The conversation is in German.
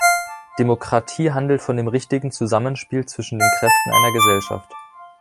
Demokratie handelt vom dem richtigen Zusammenspiel zwischen den Kräften einer Gesellschaft.